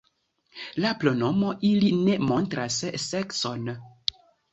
La pronomo ili ne montras sekson.